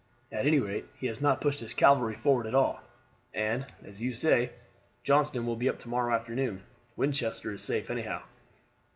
At any rate, he has not pushed his cavalry forward at all; and, as you say Johnston will be up to morrow afternoon. Winchester is safe anyhow."